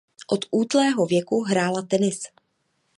Od útlého věku hrála tenis.